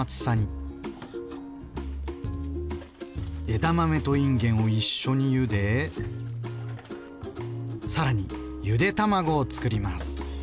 枝豆といんげんを一緒にゆで更にゆで卵をつくります。